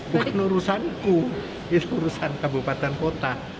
bukan urusanku ini urusan kabupaten kota